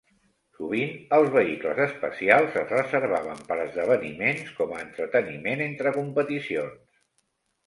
Sovint, els vehicles especials es reservaven per esdeveniments com a entreteniment entre competicions.